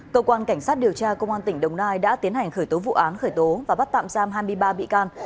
cơ quan cảnh sát điều tra công an tỉnh đồng nai đã tiến hành khởi tố vụ án khởi tố và bắt tạm giam hai mươi ba bị can